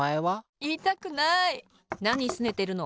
なにすねてるの？